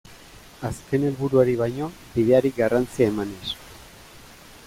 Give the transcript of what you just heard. Azken helburuari baino bideari garrantzia emanez.